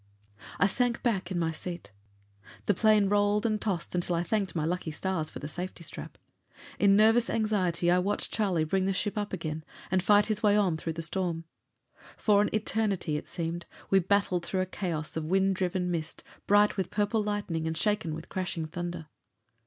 I sank back in my seat. The plane rolled and tossed until I thanked my lucky stars for the safety strap. In nervous anxiety I watched Charlie bring the ship up again, and fight his way on through the storm. For an eternity, it seemed, we battled through a chaos of wind driven mist, bright with purple lightning and shaken with crashing thunder.